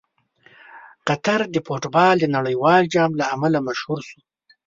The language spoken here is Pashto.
قطر د فټبال د نړیوال جام له امله مشهور شو.